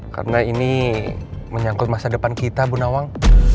karena ini menyangkut masa depan kita bu nawang